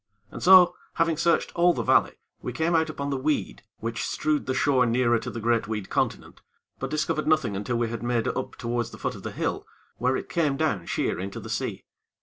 And so, having searched all the valley, we came out upon the weed which strewed the shore nearer to the great weed continent; but discovered nothing until we had made up towards the foot of the hill, where it came down sheer into the sea.